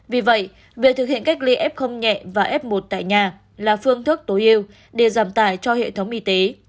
vì vậy việc thực hiện cách ly f nhẹ và f một tại nhà là phương thức tối ưu để giảm tải cho hệ thống y tế